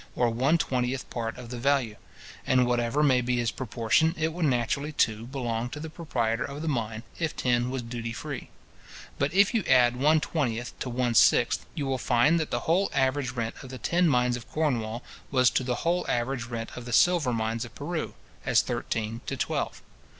or one twentieth part of the value; and whatever may be his proportion, it would naturally, too, belong to the proprietor of the mine, if tin was duty free. But if you add one twentieth to one sixth, you will find that the whole average rent of the tin mines of Cornwall, was to the whole average rent of the silver mines of Peru, as thirteen to twelve.